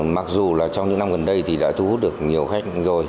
mặc dù là trong những năm gần đây thì đã thu hút được nhiều khách rồi